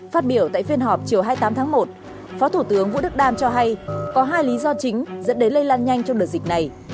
phát biểu tại phiên họp chiều hai mươi tám tháng một phó thủ tướng vũ đức đam cho hay có hai lý do chính dẫn đến lây lan nhanh trong đợt dịch này